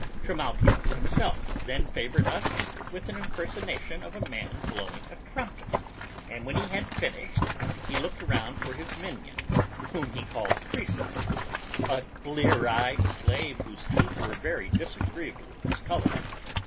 Trimalchio himself then favored us with an impersonation of a man blowing a trumpet, and when he had finished, he looked around for his minion, whom he called Croesus, a blear eyed slave whose teeth were very disagreeably discolored.